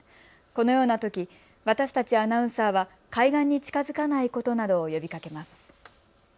このようなとき私たち、アナウンサーは海岸に近づかないことなどを呼びかけます。